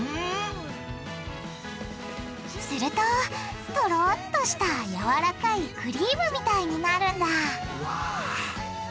するとトロっとしたやわらかいクリームみたいになるんだうわ。